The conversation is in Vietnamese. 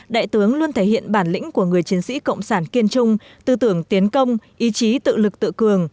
đại tướng luôn thể hiện bản lĩnh của người chiến sĩ cộng sản kiên trung tư tưởng tiến công ý chí tự lực tự cường